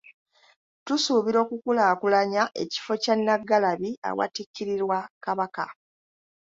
Tusuubira okukulaakulanya ekifo kya Nnaggalabi awatikkirirwa Kabaka.